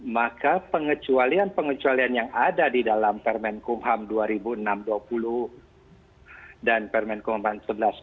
maka pengucualian pengecualian yang ada di dalam permen kumham dua puluh enam dua ribu dua puluh dan permen kumham sebelas dua ribu dua puluh